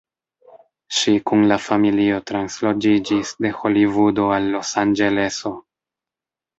Ŝi kun la familio transloĝiĝis de Holivudo al Losanĝeleso.